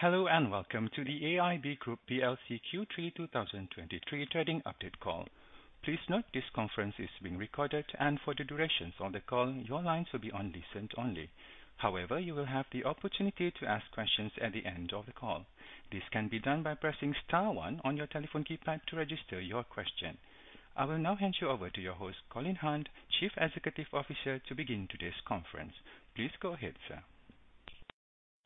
Hello, and welcome to the AIB Group plc Q3 2023 trading update call. Please note this conference is being recorded, and for the duration of the call, your lines will be on listen only. However, you will have the opportunity to ask questions at the end of the call. This can be done by pressing star one on your telephone keypad to register your question. I will now hand you over to your host, Colin Hunt, Chief Executive Officer, to begin today's conference. Please go ahead, sir.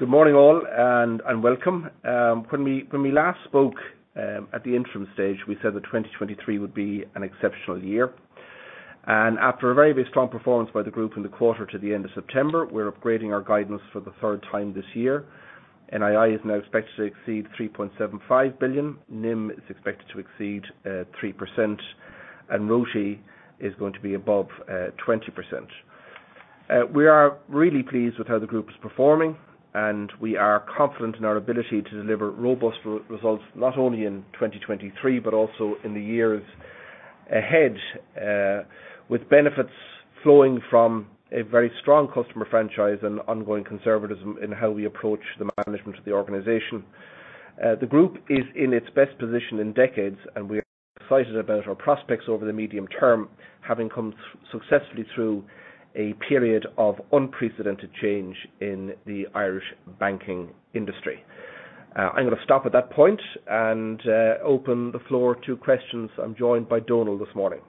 Good morning, all, and welcome. When we last spoke at the interim stage, we said that 2023 would be an exceptional year, and after a very very strong performance by the group in the quarter to the end of September, we're upgrading our guidance for the third time this year. NII is now expected to exceed 3.75 billion. NIM is expected to exceed 3%, and ROTE is going to be above 20%. We are really pleased with how the group is performing, and we are confident in our ability to deliver robust results, not only in 2023 but also in the years ahead, with benefits flowing from a very strong customer franchise and ongoing conservatism in how we approach the management of the organization. The group is in its best position in decades, and we are excited about our prospects over the medium term, having come successfully through a period of unprecedented change in the Irish banking industry. I'm going to stop at that point and open the floor to questions. I'm joined by Donal this morning.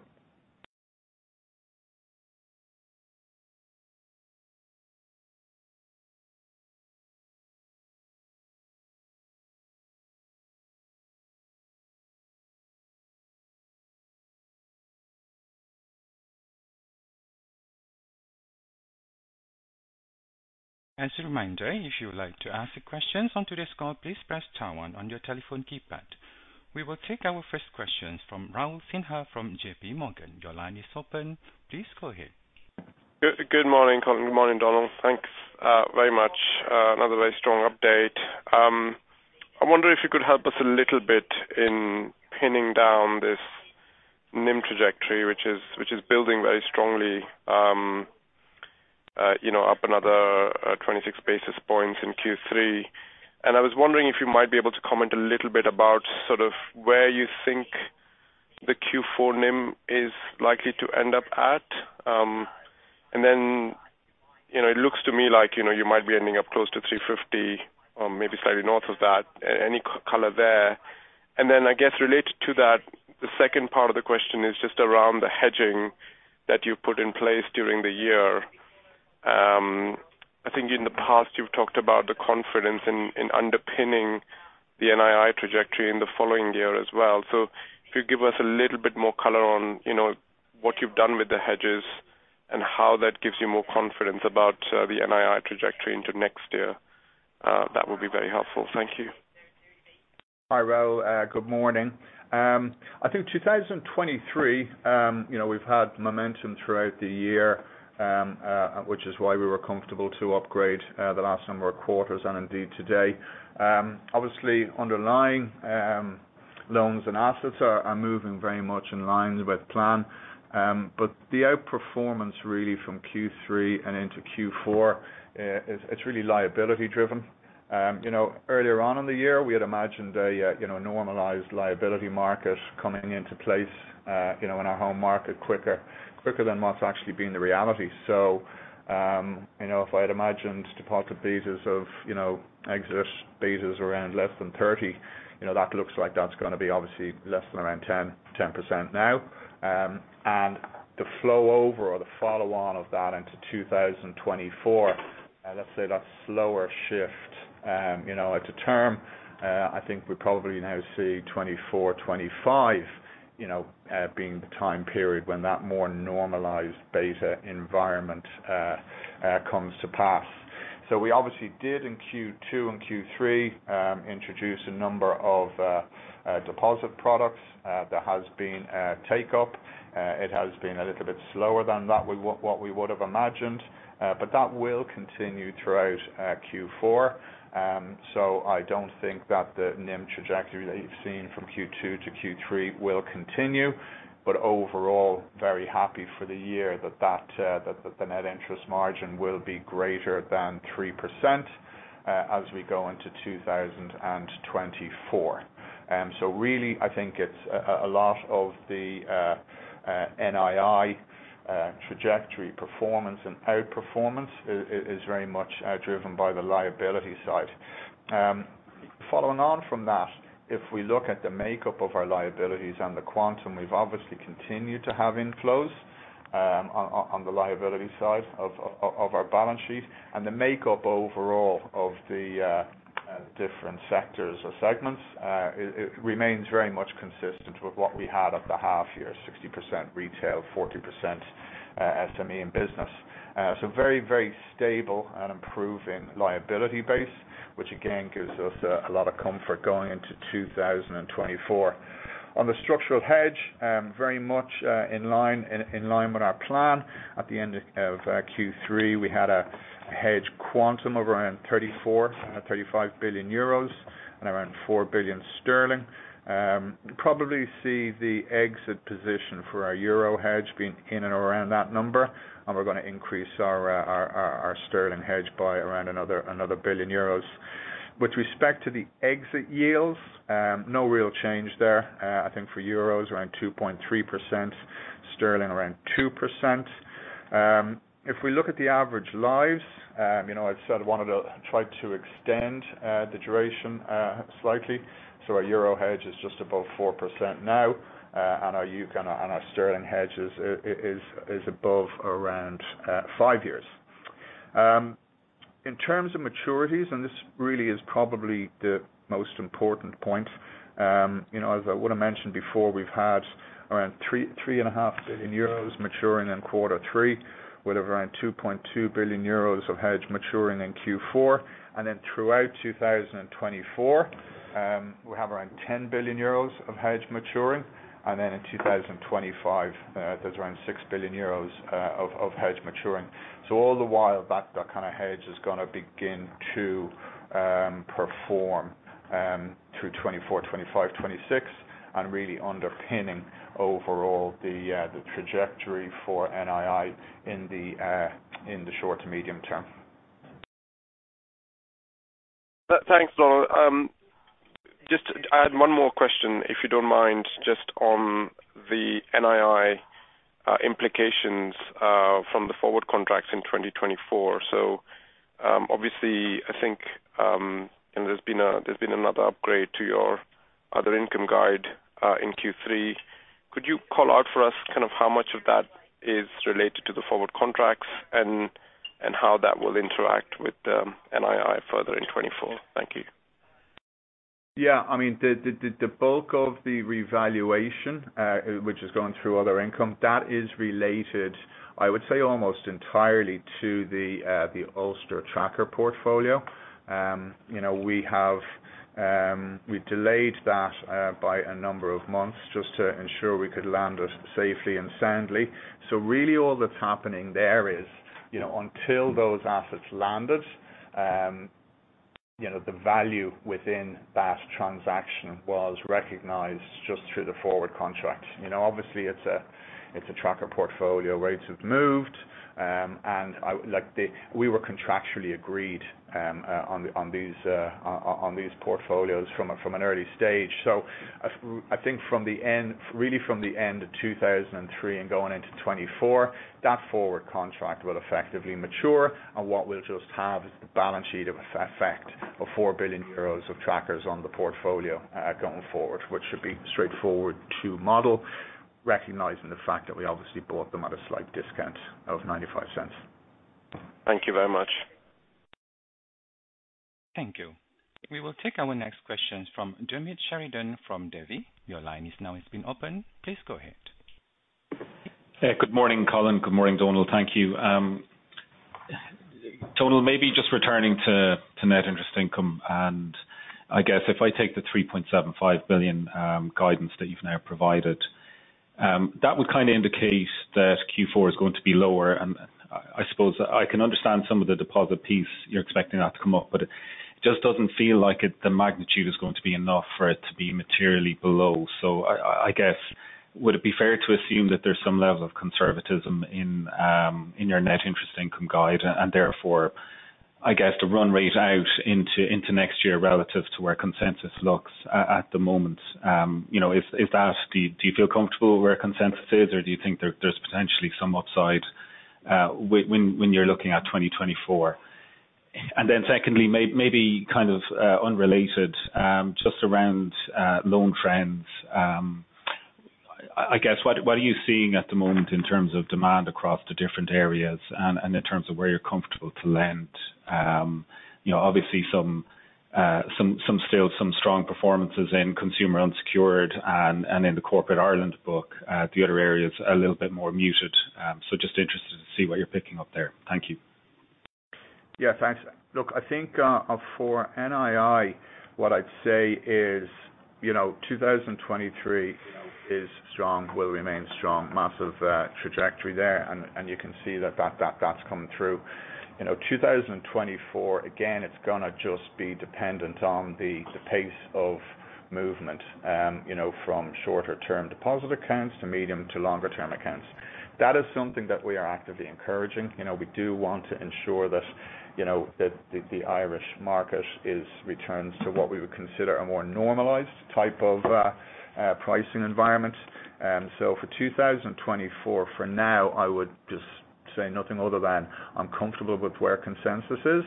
As a reminder, if you would like to ask questions on today's call, please press star one on your telephone keypad. We will take our first questions from Raul Sinha from J.P. Morgan. Your line is open. Please go ahead. Good morning, Colin, good morning, Donal. Thanks, very much. Another very strong update. I wonder if you could help us a little bit in pinning down this NIM trajectory, which is building very strongly, you know, up another 26 basis points in Q3. And I was wondering if you might be able to comment a little bit about sort of where you think the Q4 NIM is likely to end up at. And then, you know, it looks to me like, you know, you might be ending up close to 350 or maybe slightly north of that. Any color there? And then, I guess, related to that, the second part of the question is just around the hedging that you've put in place during the year. I think in the past you've talked about the confidence in underpinning the NII trajectory in the following year as well. So if you give us a little bit more color on, you know, what you've done with the hedges and how that gives you more confidence about the NII trajectory into next year, that would be very helpful. Thank you. Hi, Raul, good morning. I think 2023, you know, we've had momentum throughout the year, which is why we were comfortable to upgrade the last number of quarters and indeed today. Obviously, underlying loans and assets are moving very much in line with plan. But the outperformance really from Q3 and into Q4 is it's really liability driven. You know, earlier on in the year, we had imagined a, you know, normalized liability market coming into place, you know, in our home market, quicker, quicker than what's actually been the reality. So, you know, if I had imagined deposit betas of, you know, exit betas around less than 30, you know, that looks like that's gonna be obviously less than around 10% now. And the flow over or the follow on of that into 2024, let's say that's slower shift. You know, at the term, I think we probably now see 24, 25, you know, being the time period when that more normalized beta environment comes to pass. So we obviously did in Q2 and Q3 introduce a number of deposit products. There has been a take-up. It has been a little bit slower than that, we would have imagined, but that will continue throughout Q4. So I don't think that the NIM trajectory that you've seen from Q2 to Q3 will continue, but overall, very happy for the year that the net interest margin will be greater than 3%, as we go into 2024. So really, I think it's a lot of the NII trajectory performance and outperformance is very much driven by the liability side. Following on from that, if we look at the makeup of our liabilities and the quantum, we've obviously continued to have inflows on the liability side of our balance sheet. And the makeup overall of the different sectors or segments, it remains very much consistent with what we had at the half year, 60% retail, 40% SME and business. So very, very stable and improving liability base, which again, gives us a lot of comfort going into 2024. On the structural hedge, very much in line with our plan. At the end of Q3, we had a hedge quantum of around 34 billion-35 billion euros and around 4 billion sterling. Probably see the exit position for our euro hedge being in and around that number, and we're gonna increase our Sterling hedge by around another billion euros. With respect to the exit yields, no real change there. I think for euros around 2.3%, Sterling around 2%. If we look at the average lives, you know, I've said I wanted to try to extend the duration slightly. So our euro hedge is just above 4% now, and our UK and our, and our Sterling hedges is above around 5 years. In terms of maturities, and this really is probably the most important point. You know, as I would have mentioned before, we've had around 3.5 billion euros maturing in quarter three, with around 2.2 billion euros of hedge maturing in Q4. And then throughout 2024, we have around 10 billion euros of hedge maturing. And then in 2025, there's around 6 billion euros of hedge maturing. So all the while, that kind of hedge is gonna begin to perform through 2024, 2025, 2026, and really underpinning overall the trajectory for NII in the short to medium term. Thanks, Donal. Just to add one more question, if you don't mind, just on the NII implications from the forward contracts in 2024. So, obviously, I think, and there's been another upgrade to your other income guide in Q3. Could you call out for us kind of how much of that is related to the forward contracts and how that will interact with NII further in 2024? Thank you. Yeah, I mean, the bulk of the revaluation, which is going through other income, that is related, I would say, almost entirely to the Ulster Tracker portfolio. You know, we have, we've delayed that by a number of months just to ensure we could land it safely and soundly. So really all that's happening there is, you know, until those assets landed, you know, the value within that transaction was recognized just through the forward contract. You know, obviously, it's a tracker portfolio. Rates have moved, and we were contractually agreed on these portfolios from an early stage. So I think from the end, really from the end of 2023 and going into 2024, that forward contract will effectively mature, and what we'll just have is the balance sheet effect of 4 billion euros of trackers on the portfolio, going forward, which should be straightforward to model, recognizing the fact that we obviously bought them at a slight discount of 0.95. Thank you very much. Thank you. We will take our next questions from Diarmaid Sheridan, from Davy. Your line has now been opened. Please go ahead. Good morning, Colin. Good morning, Donal. Thank you. Donal, maybe just returning to net interest income, and I guess if I take the 3.75 billion guidance that you've now provided, that would kind of indicate that Q4 is going to be lower. And I suppose I can understand some of the deposit piece. You're expecting that to come up, but it just doesn't feel like it, the magnitude is going to be enough for it to be materially below. So I guess, would it be fair to assume that there's some level of conservatism in your net interest income guide, and therefore, I guess, the run rate out into next year relative to where consensus looks at the moment? You know, if that, do you feel comfortable where consensus is, or do you think there's potentially some upside, when you're looking at 2024? And then secondly, maybe kind of unrelated, just around loan trends. I guess, what are you seeing at the moment in terms of demand across the different areas and in terms of where you're comfortable to lend? You know, obviously some strong performances in consumer unsecured and in the corporate Ireland book, the other areas a little bit more muted. So just interested to see what you're picking up there. Thank you. Yeah, thanks. Look, I think, for NII, what I'd say is, you know, 2023, you know, is strong, will remain strong. Massive trajectory there, and, and you can see that, that's coming through. You know, 2024, again, it's gonna just be dependent on the, the pace of movement, you know, from shorter-term deposit accounts to medium to longer-term accounts. That is something that we are actively encouraging. You know, we do want to ensure that, that the, the Irish market is returned to what we would consider a more normalized type of, pricing environment. So for 2024, for now, I would just say nothing other than I'm comfortable with where consensus is.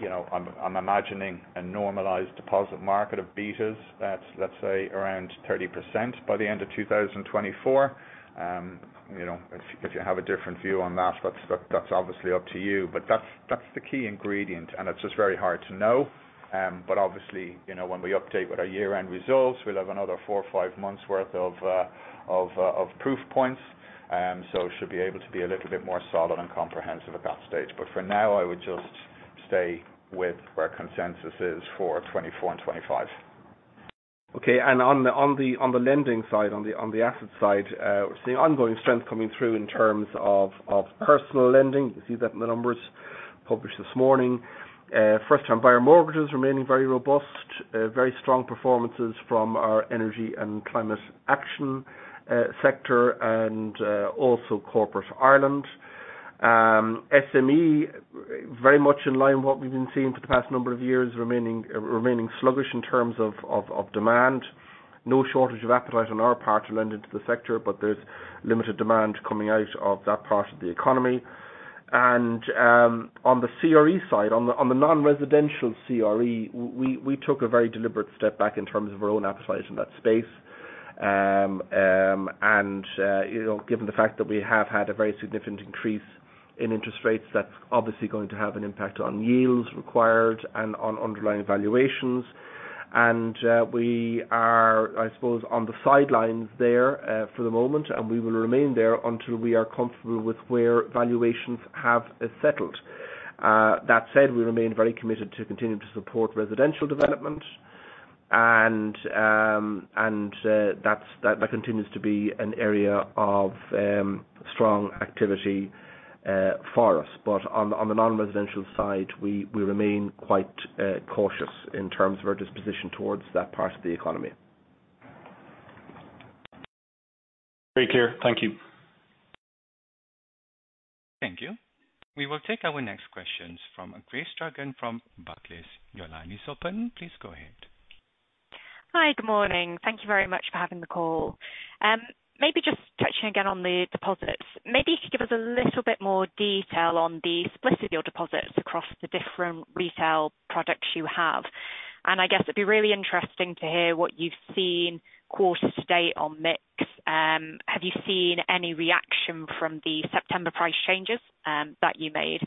You know, I'm imagining a normalized deposit market of betas that's, let's say, around 30% by the end of 2024. You know, if you have a different view on that, that's obviously up to you. But that's the key ingredient, and it's just very hard to know. But obviously, you know, when we update with our year-end results, we'll have another four or five months' worth of proof points, so should be able to be a little bit more solid and comprehensive at that stage. But for now, I would just stay with where consensus is for 2024 and 2025. Okay, and on the lending side, on the asset side, we're seeing ongoing strength coming through in terms of personal lending. You can see that in the numbers published this morning. First-time buyer mortgages remaining very robust, very strong performances from our energy and climate action sector and also corporate Ireland. SME very much in line with what we've been seeing for the past number of years, remaining sluggish in terms of demand. No shortage of appetite on our part to lend into the sector, but there's limited demand coming out of that part of the economy. On the CRE side, on the non-residential CRE, we took a very deliberate step back in terms of our own appetite in that space. You know, given the fact that we have had a very significant increase in interest rates, that's obviously going to have an impact on yields required and on underlying valuations. We are, I suppose, on the sidelines there for the moment, and we will remain there until we are comfortable with where valuations have settled. That said, we remain very committed to continuing to support residential development. That continues to be an area of strong activity for us. But on the non-residential side, we remain quite cautious in terms of our disposition towards that part of the economy. Very clear. Thank you. Thank you. We will take our next questions from Grace Dargan from Barclays. Your line is open. Please go ahead. Hi, good morning. Thank you very much for having the call. Maybe just touching again on the deposits. Maybe you could give us a little bit more detail on the split of your deposits across the different retail products you have. And I guess it'd be really interesting to hear what you've seen quarter to date on mix. Have you seen any reaction from the September price changes that you made?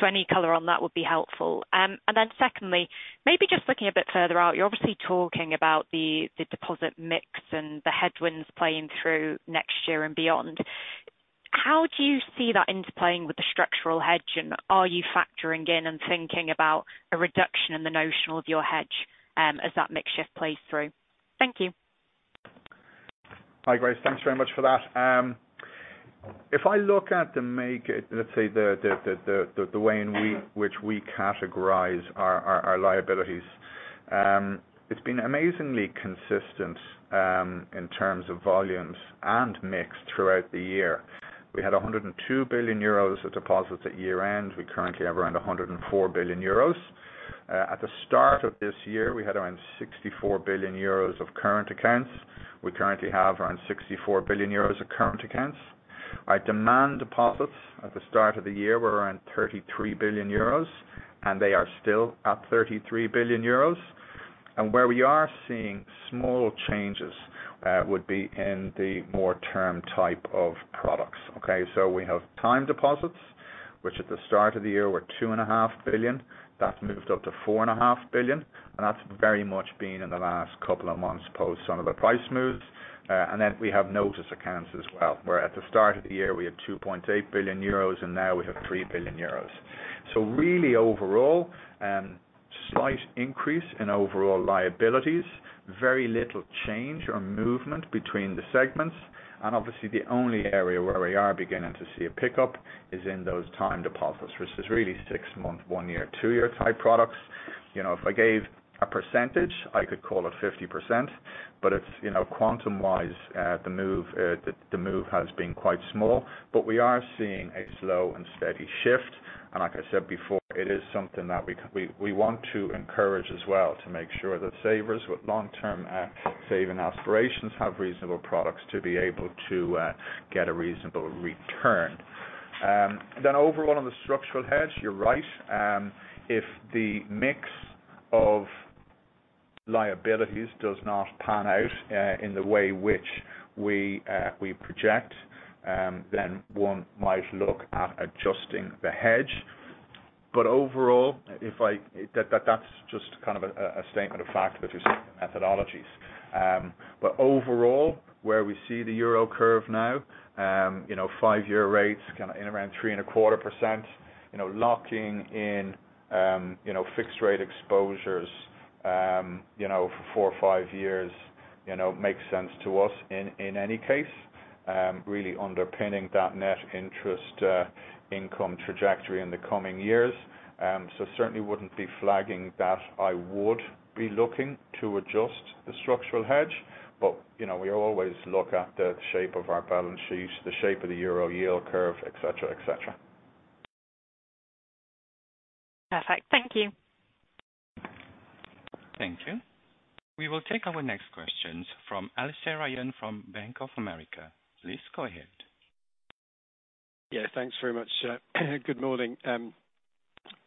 So any color on that would be helpful. And then secondly, maybe just looking a bit further out, you're obviously talking about the deposit mix and the headwinds playing through next year and beyond. How do you see that interplaying with the structural hedge, and are you factoring in and thinking about a reduction in the notional of your hedge as that mix shift plays through? Thank you. Hi, Grace. Thanks very much for that. If I look at the way in which we categorize our liabilities, it's been amazingly consistent in terms of volumes and mix throughout the year. We had 102 billion euros of deposits at year-end. We currently have around 104 billion euros. At the start of this year, we had around 64 billion euros of current accounts. We currently have around 64 billion euros of current accounts. Our demand deposits at the start of the year were around 33 billion euros, and they are still at 33 billion euros. And where we are seeing small changes would be in the more term type of products. Okay, so we have time deposits, which at the start of the year were 2.5 billion. That's moved up to 4.5 billion, and that's very much been in the last couple of months, post some of the price moves. And then we have notice accounts as well, where at the start of the year we had 2.8 billion euros, and now we have 3 billion euros. So really overall, slight increase in overall liabilities, very little change or movement between the segments, and obviously the only area where we are beginning to see a pickup is in those time deposits, which is really six-month, one-year, two-year type products. You know, if I gave a percentage, I could call it 50%, but it's, you know, quantum wise, the move, the move has been quite small. But we are seeing a slow and steady shift, and like I said before, it is something that we want to encourage as well, to make sure that savers with long-term saving aspirations have reasonable products to be able to get a reasonable return. Then overall, on the structural hedge, you're right. If the mix of liabilities does not pan out in the way which we project, then one might look at adjusting the hedge. But overall, if I... That's just kind of a statement of fact, which is methodologies. But overall, where we see the euro curve now, you know, five-year rates kind of in around 3.25%, you know, locking in, you know, fixed rate exposures, you know, for four or five years, you know, makes sense to us in any case, really underpinning that net interest income trajectory in the coming years. So certainly wouldn't be flagging that I would be looking to adjust the structural hedge, but, you know, we always look at the shape of our balance sheet, the shape of the euro yield curve, et cetera, et cetera. Perfect. Thank you. Thank you. We will take our next questions from Alastair Ryan, from Bank of America. Please go ahead. Yeah, thanks very much. Good morning.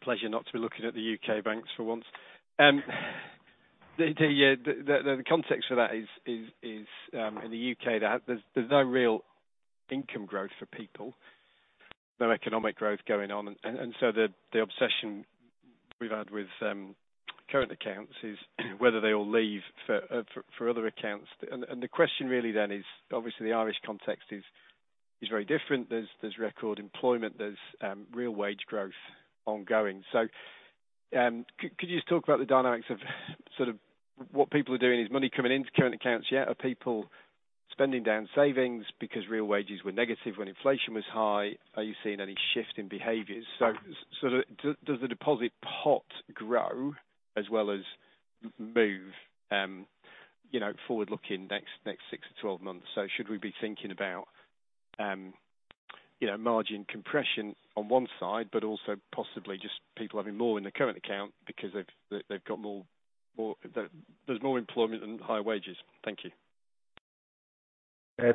Pleasure not to be looking at the UK banks for once. The context for that is in the UK that there's no real income growth for people, no economic growth going on. And so the obsession we've had with current accounts is whether they all leave for other accounts. And the question really then is, obviously the Irish context is very different, there's record employment, there's real wage growth ongoing. So could you just talk about the dynamics of sort of what people are doing? Is money coming into current accounts yet? Are people spending down savings because real wages were negative when inflation was high? Are you seeing any shift in behaviors? So, does the deposit pot grow as well as move, you know, forward looking next six-12 months. So should we be thinking about, you know, margin compression on one side, but also possibly just people having more in their current account because they've got more - that there's more employment and higher wages? Thank you.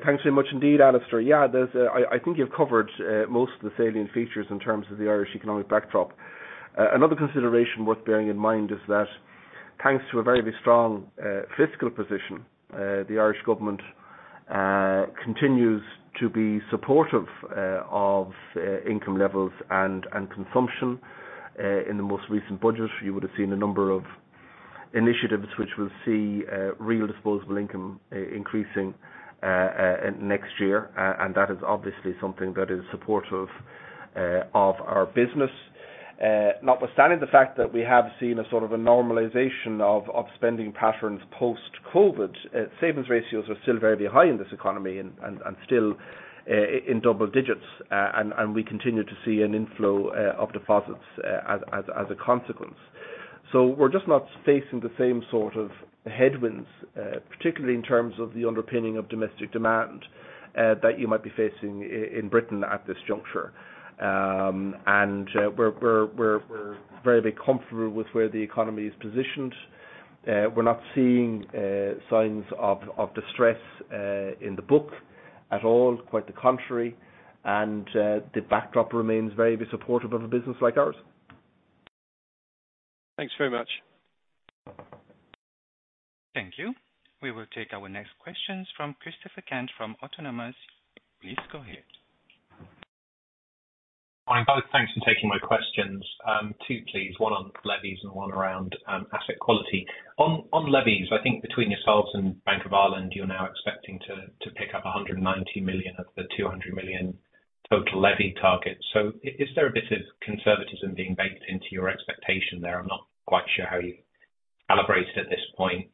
Thanks very much indeed, Alistair. Yeah, there's... I think you've covered most of the salient features in terms of the Irish economic backdrop. Another consideration worth bearing in mind is that thanks to a very strong fiscal position, the Irish government continues to be supportive of income levels and consumption. In the most recent budget, you would've seen a number of initiatives which will see real disposable income increasing next year, and that is obviously something that is supportive of our business. Notwithstanding the fact that we have seen a sort of a normalization of spending patterns post-COVID, savings ratios are still very high in this economy and still in double digits. And we continue to see an inflow of deposits as a consequence. So we're just not facing the same sort of headwinds, particularly in terms of the underpinning of domestic demand, that you might be facing in Britain at this juncture. And we're very comfortable with where the economy is positioned. We're not seeing signs of distress in the book at all, quite the contrary, and the backdrop remains very supportive of a business like ours. Thanks very much. Thank you. We will take our next questions from Christopher Cant from Autonomous. Please go ahead. Hi, guys. Thanks for taking my questions. Two please. One on levies and one around asset quality. On levies, I think between yourselves and Bank of Ireland, you're now expecting to pick up 190 million of the 200 million total levy target. So is there a bit of conservatism being baked into your expectation there? I'm not quite sure how you calibrate it at this point.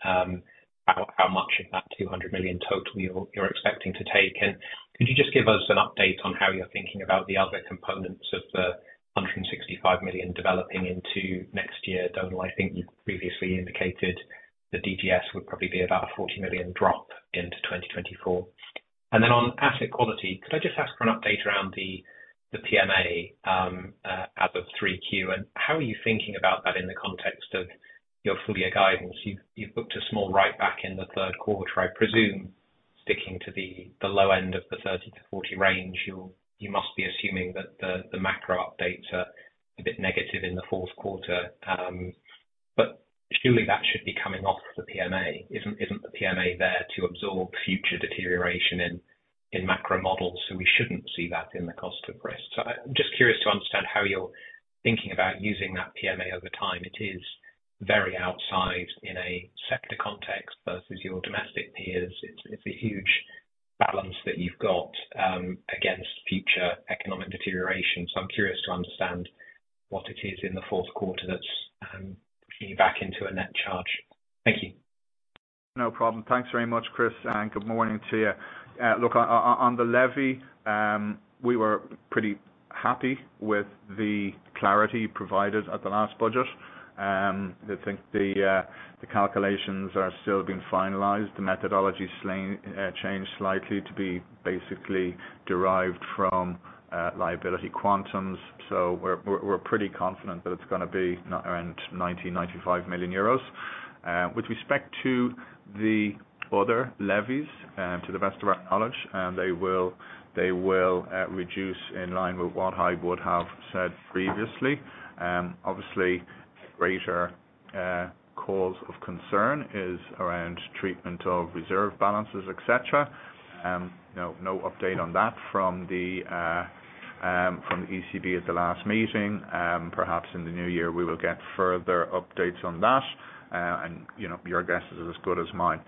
How much of that 200 million total you're expecting to take? And could you just give us an update on how you're thinking about the other components of the 165 million developing into next year? Donal, I think you previously indicated the DGS would probably be about a 40 million drop into 2024. Then on asset quality, could I just ask for an update around the PMA as of 3Q, and how are you thinking about that in the context of your full-year guidance? You've booked a small write back in the third quarter, I presume, sticking to the low end of the 30-40 range. You must be assuming that the macro updates are a bit negative in the fourth quarter, but surely that should be coming off the PMA. Isn't the PMA there to absorb future deterioration in macro models, so we shouldn't see that in the cost of risk? So I'm just curious to understand how you're thinking about using that PMA over time. It is very outsized in a sector context versus your domestic peers. It's a huge balance that you've got against future economic deterioration. So I'm curious to understand what it is in the fourth quarter that's pushing you back into a net charge. Thank you. No problem. Thanks very much, Chris, and good morning to you. Look, on the levy, we were pretty happy with the clarity provided at the last budget. I think the calculations are still being finalized. The methodology changed slightly to be basically derived from liability quantums. So we're pretty confident that it's gonna be around 90 million-95 million euros. With respect to the other levies, to the best of our knowledge, they will reduce in line with what I would have said previously. Obviously, greater cause of concern is around treatment of reserve balances, et cetera. No update on that from the ECB at the last meeting. Perhaps in the new year, we will get further updates on that. And, you know, your guess is as good as mine.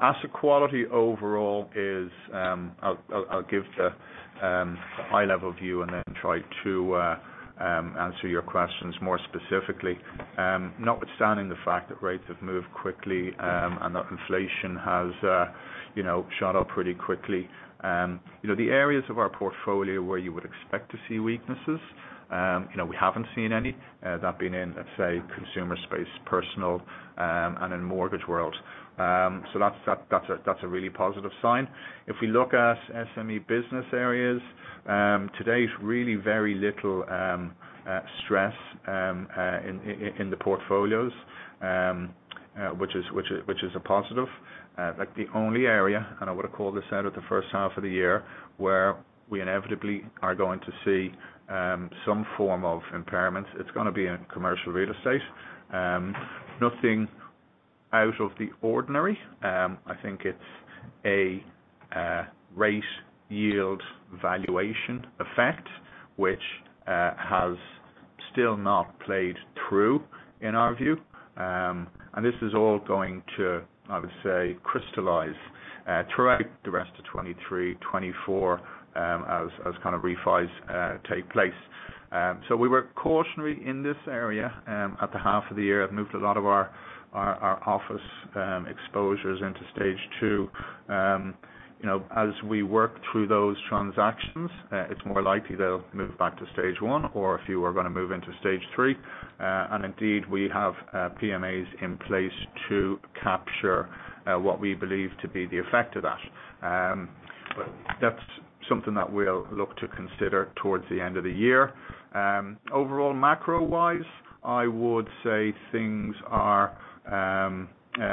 Asset quality overall is. I'll give the high-level view and then try to answer your questions more specifically. Notwithstanding the fact that rates have moved quickly, and that inflation has, you know, shot up pretty quickly, you know, the areas of our portfolio where you would expect to see weaknesses, you know, we haven't seen any, that being in, let's say, consumer space, personal, and in mortgage world. So that's a really positive sign. If we look at SME business areas, there's really very little stress in the portfolios, which is a positive. Like the only area, and I would have called this out at the first half of the year, where we inevitably are going to see some form of impairment. It's gonna be in commercial real estate. Nothing out of the ordinary. I think it's a rate, yield, valuation effect, which has still not played through in our view, and this is all going to, I would say, crystallize throughout the rest of 2023, 2024, as kind of refis take place. So we were cautionary in this area at the half of the year, have moved a lot of our office exposures into stage two. You know, as we work through those transactions, it's more likely they'll move back to stage one, or a few are gonna move into stage three. And indeed, we have PMAs in place to capture what we believe to be the effect of that. But that's something that we'll look to consider towards the end of the year. Overall, macro-wise, I would say things are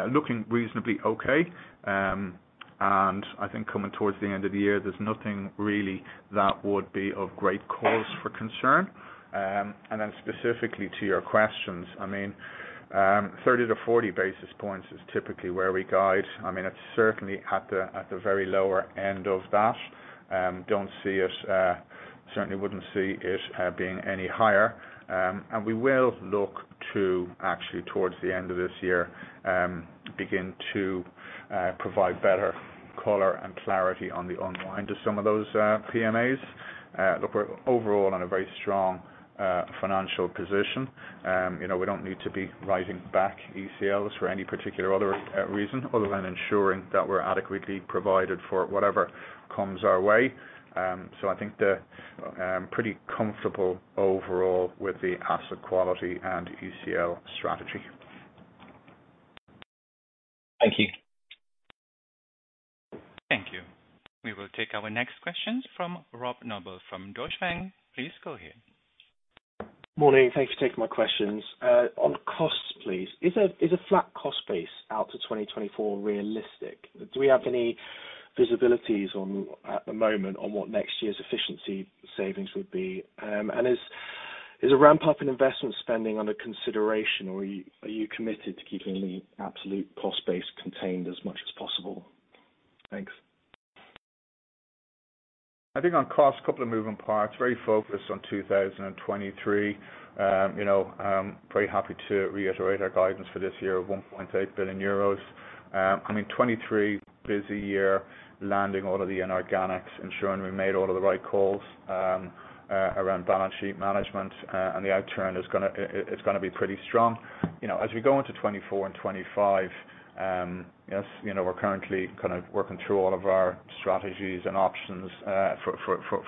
looking reasonably okay. And I think coming towards the end of the year, there's nothing really that would be of great cause for concern. And then specifically to your questions, I mean, 30-40 basis points is typically where we guide. I mean, it's certainly at the, at the very lower end of that. Don't see it, certainly wouldn't see it being any higher. And we will look to, actually towards the end of this year, begin to provide better color and clarity on the unwind to some of those PMAs. Look, we're overall in a very strong financial position. You know, we don't need to be writing back ECLs for any particular other reason, other than ensuring that we're adequately provided for whatever comes our way. So I think the pretty comfortable overall with the asset quality and ECL strategy. Thank you. Thank you. We will take our next questions from Rob Noble, from Deutsche Bank. Please go ahead. Morning. Thanks for taking my questions. On costs, please, is a flat cost base out to 2024 realistic? Do we have any visibilities on, at the moment, on what next year's efficiency savings would be? And is a ramp up in investment spending under consideration, or are you committed to keeping the absolute cost base contained as much as possible? Thanks. I think on cost, a couple of moving parts, very focused on 2023. You know, I'm very happy to reiterate our guidance for this year of 1.8 billion euros. I mean, 2023, busy year, landing all of the inorganics, ensuring we made all of the right calls around balance sheet management. The outturn is gonna be pretty strong. You know, as we go into 2024 and 2025, yes, you know, we're currently kind of working through all of our strategies and options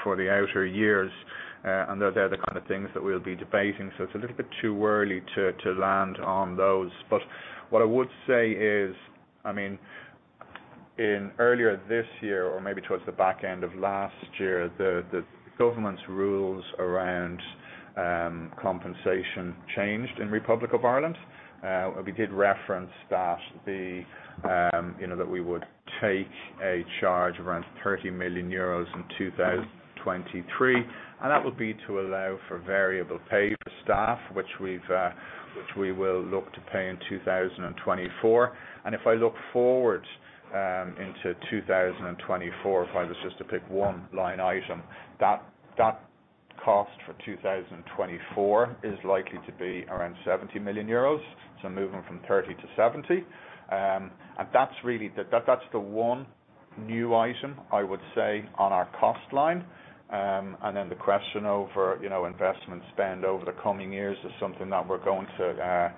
for the outer years. They're the kind of things that we'll be debating, so it's a little bit too early to land on those. But what I would say is, I mean, in earlier this year, or maybe towards the back end of last year, the, the government's rules around, compensation changed in Republic of Ireland. We did reference that the, you know, that we would take a charge around 30 million euros in 2023, and that would be to allow for variable pay for staff, which we've, which we will look to pay in 2024. And if I look forward, into 2024, if I was just to pick one line item, that, that cost for 2024 is likely to be around 70 million euros. So moving from 30 to 70. And that's really the... That, that's the one new item, I would say, on our cost line. And then the question over, you know, investment spend over the coming years is something that we're going to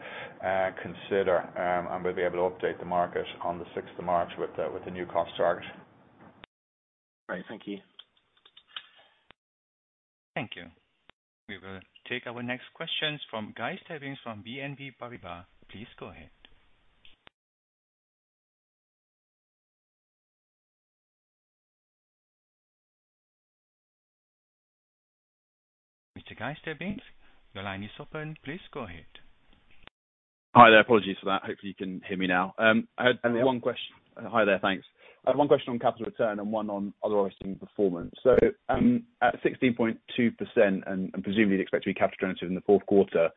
consider, and we'll be able to update the market on the sixth of March with the new cost target. Great. Thank you. Thank you. We will take our next questions from Guy Stebbings from BNP Paribas. Please go ahead. Mr. Guy Stebbings, the line is open. Please go ahead. Hi there. Apologies for that. Hopefully, you can hear me now. I had- Yeah. One question... Hi there. Thanks. I had one question on capital return and one on other investing performance. So, at 16.2%, and presumably the expected return in the fourth quarter,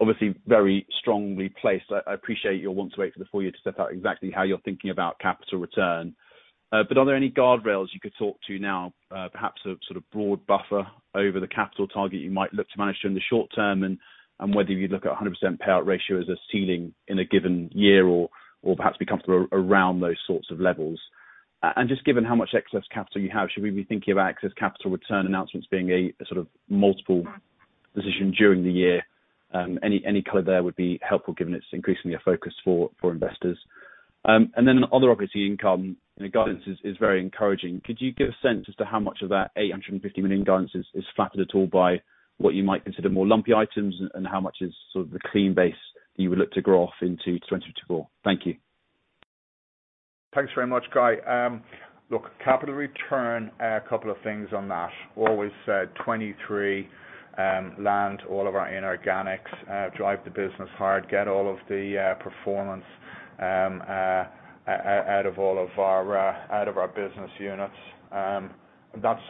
obviously very strongly placed. I appreciate you'll want to wait for the full-year to step out exactly how you're thinking about capital return. But are there any guardrails you could talk to now? Perhaps a sort of broad buffer over the capital target you might look to manage during the short term, and whether you'd look at a 100% payout ratio as a ceiling in a given year or perhaps be comfortable around those sorts of levels. And just given how much excess capital you have, should we be thinking about excess capital return announcements being a sort of multiple position during the year? Any color there would be helpful, given it's increasingly a focus for investors. And then other obviously income, you know, guidance is very encouraging. Could you give a sense as to how much of that 850 million guidance is flattened at all by what you might consider more lumpy items, and how much is sort of the clean base that you would look to grow off into 2024? Thank you. Thanks very much, Guy. Look, capital return, a couple of things on that. Always said 2023, land all of our inorganics, drive the business hard, get all of the performance out of our business units. That's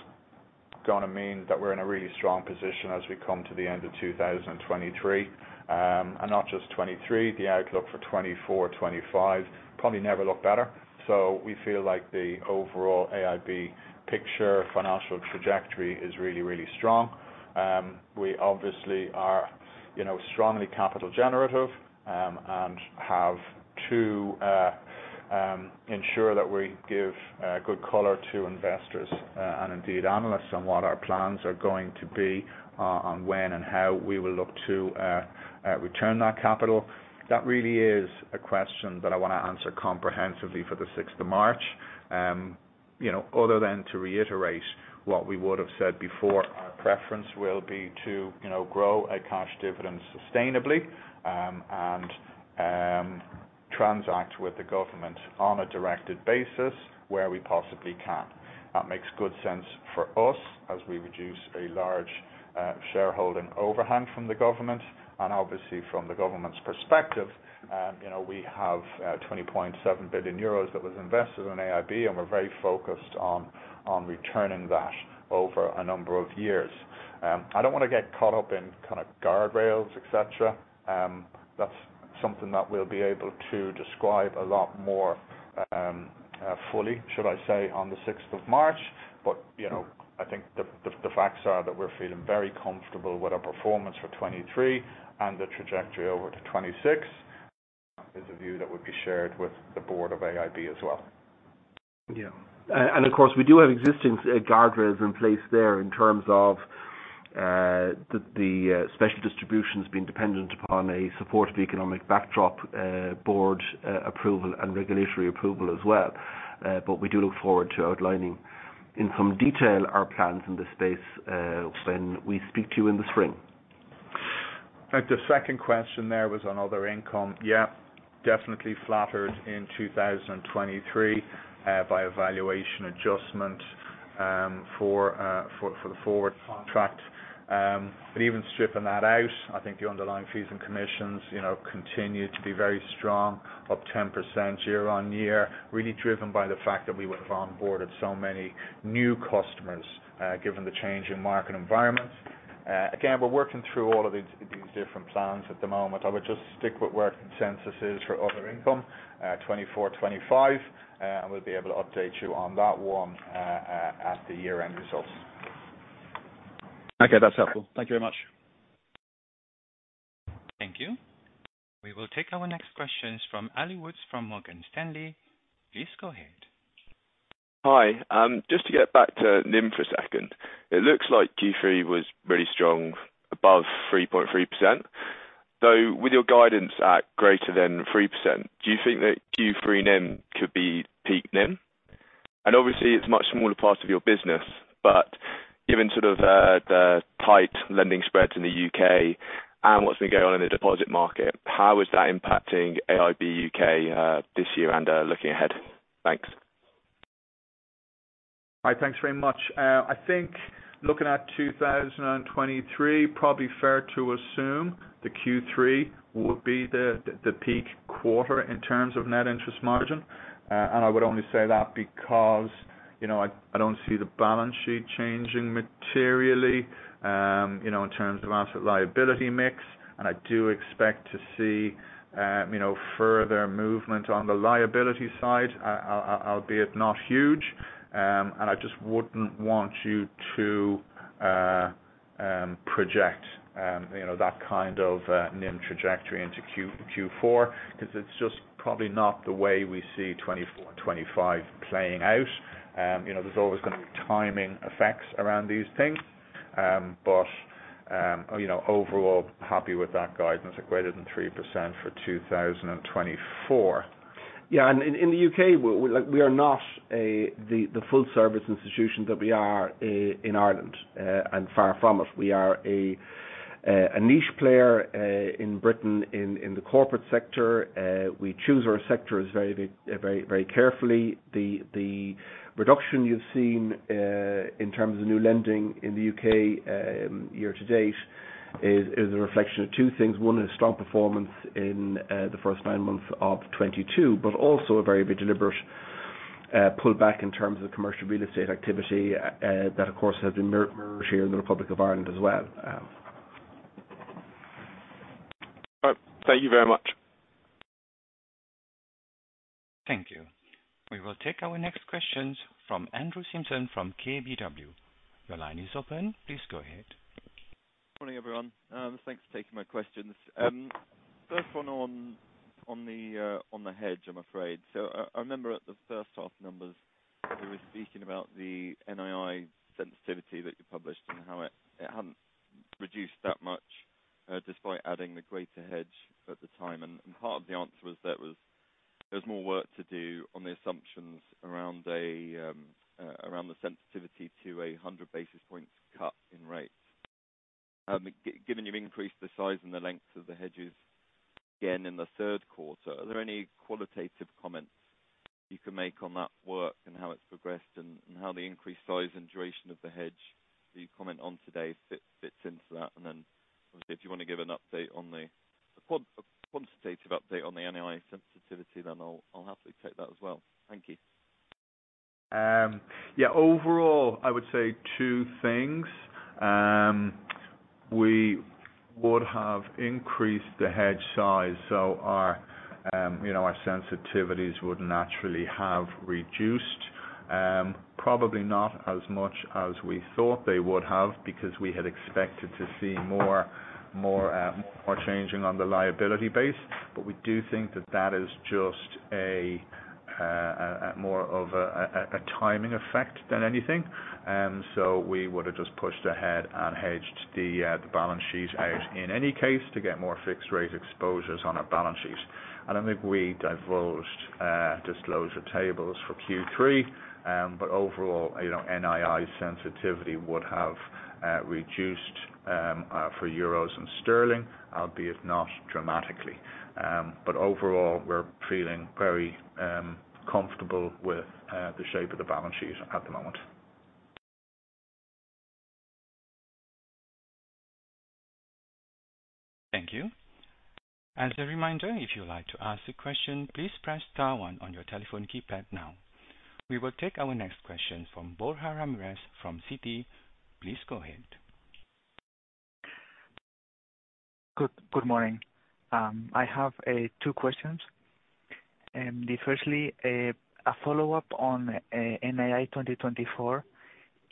gonna mean that we're in a really strong position as we come to the end of 2023. And not just 2023, the outlook for 2024, 2025, probably never looked better. So we feel like the overall AIB picture financial trajectory is really, really strong. We obviously are, you know, strongly capital generative, and have to ensure that we give good color to investors, and indeed analysts on what our plans are going to be, on when and how we will look to return that capital. That really is a question that I want to answer comprehensively for the sixth of March. You know, other than to reiterate what we would've said before, our preference will be to, you know, grow a cash dividend sustainably, and transact with the government on a directed basis where we possibly can. That makes good sense for us as we reduce a large shareholding overhang from the government, and obviously from the government's perspective, you know, we have 20.7 billion euros that was invested in AIB, and we're very focused on returning that over a number of years. I don't want to get caught up in kind of guardrails, et cetera. That's something that we'll be able to describe a lot more fully, should I say, on the sixth of March. But, you know, I think the facts are that we're feeling very comfortable with our performance for 2023 and the trajectory over to 2026. Is a view that would be shared with the board of AIB as well. Yeah. And of course, we do have existing guardrails in place there in terms of the special distributions being dependent upon a supportive economic backdrop, board approval, and regulatory approval as well. But we do look forward to outlining, in some detail, our plans in this space, when we speak to you in the spring. The second question there was on other income. Yeah, definitely flattered in 2023 by a valuation adjustment for the forward contract. But even stripping that out, I think the underlying fees and commissions, you know, continued to be very strong, up 10% year-on-year. Really driven by the fact that we would have onboarded so many new customers given the change in market environment. Again, we're working through all of these different plans at the moment. I would just stick with where consensus is for other income, 2024, 2025, and we'll be able to update you on that one at the year-end results. Okay, that's helpful. Thank you very much. Thank you. We will take our next questions from Alicia Chung, from Morgan Stanley. Please go ahead. Hi. Just to get back to NIM for a second. It looks like Q3 was really strong, above 3.3%, though with your guidance at greater than 3%, do you think that Q3 NIM could be peak NIM? And obviously, it's a much smaller part of your business, but given sort of the tight lending spreads in the UK and what's been going on in the deposit market, how is that impacting AIB UK this year and looking ahead? Thanks. Hi, thanks very much. I think looking at 2023, probably fair to assume that Q3 would be the peak quarter in terms of net interest margin. And I would only say that because, you know, I don't see the balance sheet changing materially, you know, in terms of asset liability mix, and I do expect to see, you know, further movement on the liability side, albeit not huge. And I just wouldn't want you to project, you know, that kind of NIM trajectory into Q4, 'cause it's just probably not the way we see 2024 and 2025 playing out. You know, there's always going to be timing effects around these things. But, you know, overall, happy with that guidance of greater than 3% for 2024. Yeah, and in the UK, we like we are not a the full service institution that we are in Ireland and far from it. We are a niche player in Britain in the corporate sector. We choose our sectors very, very, very carefully. The reduction you've seen in terms of new lending in the UK year to date is a reflection of two things. One is strong performance in the first nine months of 2022, but also a very deliberate pullback in terms of commercial real estate activity that of course has been mirrored here in the Republic of Ireland as well. All right. Thank you very much. Thank you. We will take our next questions fromAndrew Stimpson, from KBW. Your line is open. Please go ahead. Morning, everyone. Thanks for taking my questions. First one on the hedge, I'm afraid. So I remember at the first half numbers, you were speaking about the NII sensitivity that you published and how it hadn't reduced that much, despite adding the greater hedge at the time. And part of the answer was that there was more work to do on the assumptions around the sensitivity to a 100 basis points cut in rates. Given you've increased the size and the length of the hedges again in the third quarter, are there any qualitative comments you can make on that work and how it's progressed, and how the increased size and duration of the hedge that you comment on today fits into that? And then obviously, if you want to give an update on the quantitative update on the NII sensitivity, then I'll happily take that as well. Thank you. Yeah, overall, I would say two things. We would have increased the hedge size, so our, you know, our sensitivities would naturally have reduced, probably not as much as we thought they would have, because we had expected to see more, more, more changing on the liability base. But we do think that that is just a, more of a, a, a timing effect than anything. And so we would have just pushed ahead and hedged the, the balance sheet out in any case, to get more fixed rate exposures on our balance sheet. And I think we divulged, disclosed the tables for Q3. But overall, you know, NII sensitivity would have, reduced, for euros and Sterling, albeit not dramatically. But overall, we're feeling very comfortable with the shape of the balance sheet at the moment. Thank you. As a reminder, if you'd like to ask a question, please press star one on your telephone keypad now. We will take our next question from Borja Ramirez from Citi. Please go ahead. Good, good morning. I have two questions. Firstly, a follow-up on NII 2024.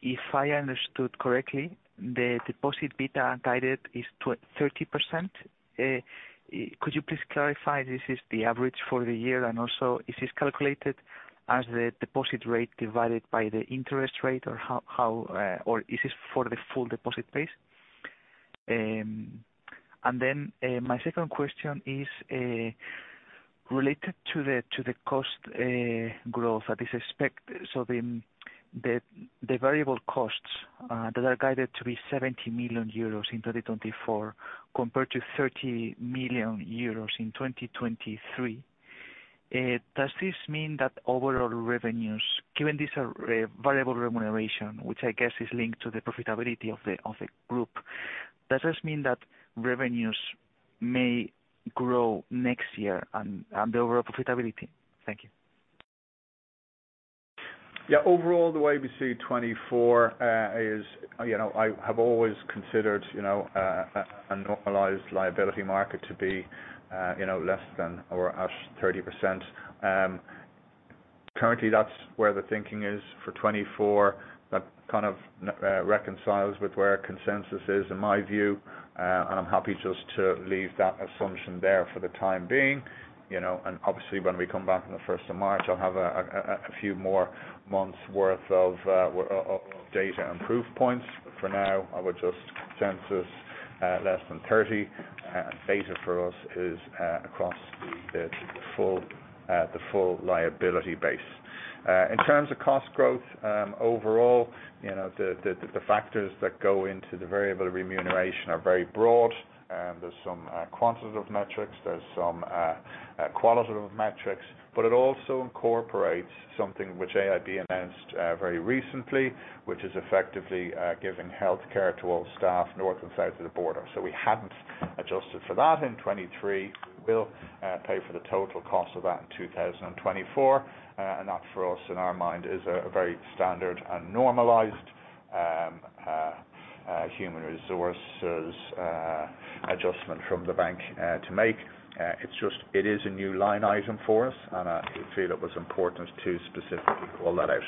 If I understood correctly, the deposit beta guided is 20-30%. Could you please clarify this is the average for the year? And also, is this calculated as the deposit rate divided by the interest rate, or how, how-- or is this for the full deposit base? And then, my second question is related to the cost growth as expected. So the variable costs that are guided to be 70 million euros in 2024, compared to 30 million euros in 2023. Does this mean that overall revenues, given these are variable remuneration, which I guess is linked to the profitability of the group, does this mean that revenues may grow next year and the overall profitability? Thank you. Yeah. Overall, the way we see 2024 is, you know, I have always considered, you know, a normalized liability market to be, you know, less than or at 30%. Currently that's where the thinking is for 2024. That kind of reconciles with where our consensus is, in my view. And I'm happy just to leave that assumption there for the time being, you know, and obviously, when we come back on the first of March, I'll have a few more months worth of data and proof points. But for now, I would just consensus less than 30. And data for us is across the full liability base. In terms of cost growth, overall, you know, the factors that go into the variable remuneration are very broad, and there's some quantitative metrics, there's some qualitative metrics. But it also incorporates something which AIB announced very recently, which is effectively giving healthcare to all staff north and south of the border. So we hadn't adjusted for that in 2023. We'll pay for the total cost of that in 2024. And that for us, in our mind, is a very standard and normalized human resources adjustment from the bank to make. It's just, it is a new line item for us, and I feel it was important to specifically call that out.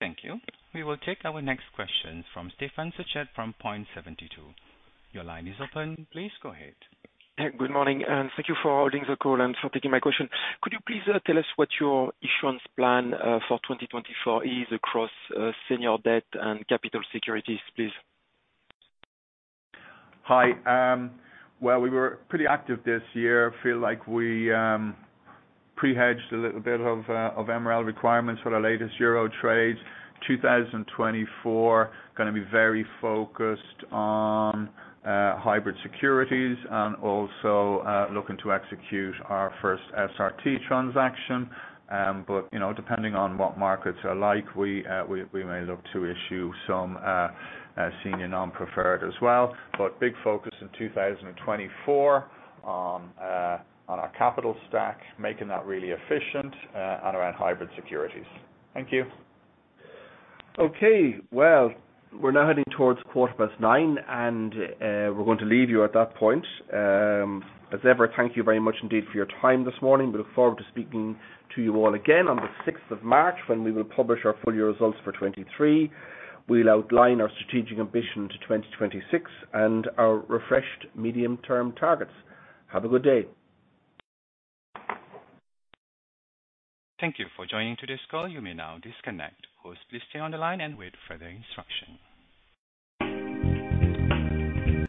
Thank you. We will take our next question from Stefan Stalmann from Point72. Your line is open. Please go ahead. Hey, good morning, and thank you for holding the call and for taking my question. Could you please tell us what your issuance plan for 2024 is across senior debt and capital securities, please? Hi. Well, we were pretty active this year. I feel like we pre-hedged a little bit of MREL requirements for our latest euro trades. 2024 gonna be very focused on hybrid securities and also looking to execute our first SRT transaction. But you know, depending on what markets are like, we may look to issue some senior non-preferred as well. But big focus in 2024 on our capital stack, making that really efficient and around hybrid securities. Thank you. Okay, well, we're now heading towards 9:15 A.M., and we're going to leave you at that point. As ever, thank you very much indeed for your time this morning. We look forward to speaking to you all again on the sixth of March, when we will publish our full-year results for 2023. We'll outline our strategic ambition to 2026, and our refreshed medium-term targets. Have a good day. Thank you for joining today's call. You may now disconnect. Please stay on the line and wait for further instruction.